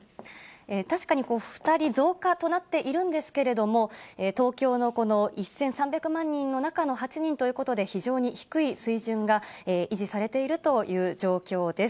確かに２人増加となっているんですけれども、東京のこの１３００万人の中の８人ということで、非常に低い水準が維持されているという状況です。